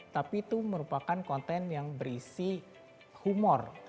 tapi itu merupakan konten yang berisi humor